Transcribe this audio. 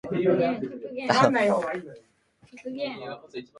ハンカチを見てやっと思い出せるほど昔のことだった